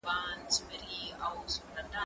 زه هره ورځ د تکړښت لپاره ځم،